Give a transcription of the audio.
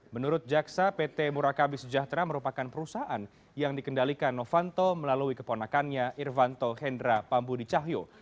menurut jaksa pt murakabis jatra merupakan perusahaan yang dikendalikan novanto melalui keponakannya irvanto hendra pambudi cahyo